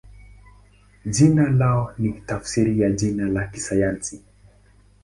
Jina lao ni tafsiri ya jina la kisayansi.